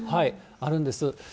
あるんです。